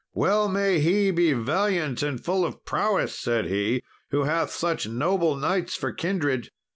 "Well may he be valiant and full of prowess," said he, "who hath such noble knights for kindred."